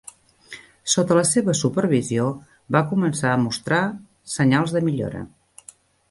Sota la seva supervisió, va començar a mostra senyals de millora.